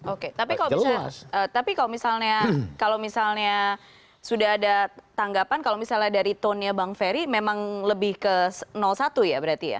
oke tapi kalau misalnya sudah ada tanggapan kalau misalnya dari tonnya bang ferry memang lebih ke satu ya berarti ya